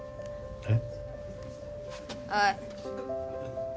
えっ？